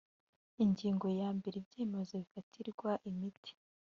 ingingo ya mbere ibyemezo bifatirwa imiti